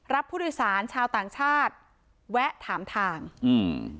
รับผู้โดยสารชาวต่างชาติแวะถามทางอืม